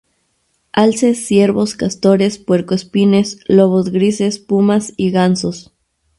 Alces, ciervos, castores, puercoespines, lobos grises, pumas y gansos.